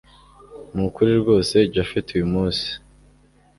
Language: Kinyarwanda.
nukuri rwose japhet uyu munsi